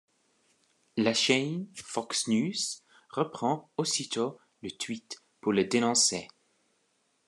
La chaîne Fox News reprend aussitôt le tweet pour le dénoncer.